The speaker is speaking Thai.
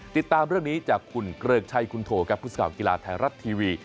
ติดตามเรื่องนี้จากคุณเกริกชัยคุณโถกับพุทธสกาลกีฬาแทนรัฐทีวี